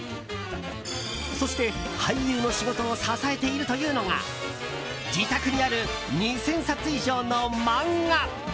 そして、俳優の仕事を支えているというのが自宅にある２０００冊以上の漫画！